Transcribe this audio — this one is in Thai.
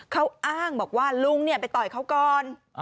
เขาอ้างบอกว่าลุงไปต่อยเขาก่อน